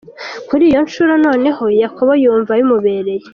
Kuri iyo nshuro noneho Yakobo yumva bimubereye.